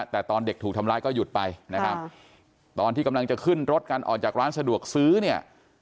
แต่ตอนเด็กถูกทำร้ายก็หยุดไปนะครับตอนที่กำลังจะขึ้นรถกันออกจากร้านสะดวกซื้อเนี่ย